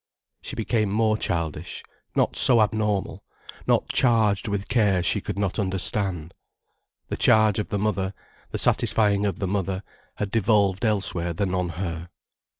She became more childish, not so abnormal, not charged with cares she could not understand. The charge of the mother, the satisfying of the mother, had devolved elsewhere than on her.